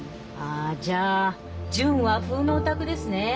あじゃあ純和風のお宅ですね。